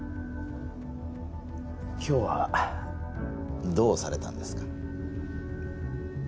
今日はどうされたんですか？